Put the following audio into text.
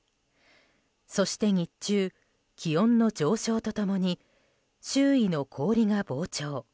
そして日中、気温の上昇と共に周囲の氷が膨張。